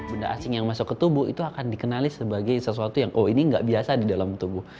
benda asing yang masuk ke tubuh itu akan dikenali sebagai sesuatu yang oh ini nggak biasa di dalam tubuh